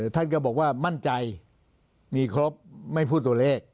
ท่านก็บอกว่ามั่นใจมีครบไม่พูดตัวเลข